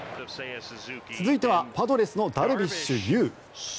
続いてはパドレスのダルビッシュ有。